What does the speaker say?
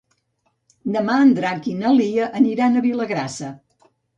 Demà en Drac i na Lia aniran a Vilagrassa.